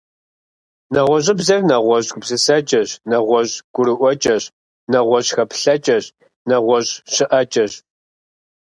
НэгъуэщӀыбзэр — нэгъуэщӀ гупсысэкӀэщ, нэгъуэщӀ гурыӀуэкӀэщ, нэгъуэщӀ хэплъэкӀэщ, нэгъуэщӀ щыӀэкӀэщ.